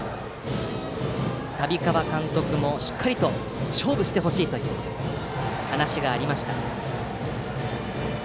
旅川監督もしっかりと勝負してほしいという話がありました。